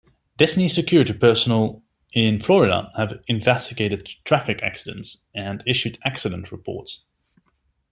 Disney Security personnel in Florida have investigated traffic accidents and issued accident reports.